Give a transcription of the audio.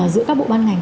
giữa các bộ ban ngành